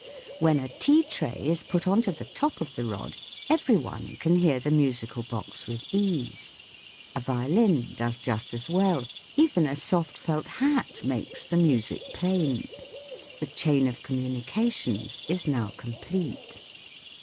When a tea tray is put on to the top of the rod every one can hear the musical box with ease ; a violin does just as well ; even a soft felt hat makes the music plain. The chain of communications is now complete.